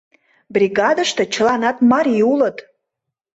Бригадыште чыланат марий улыт.